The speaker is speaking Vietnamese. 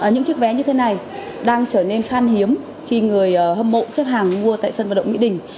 những chiếc vé như thế này đang trở nên khan hiếm khi người hâm mộ xếp hàng mua tại sân vận động mỹ đình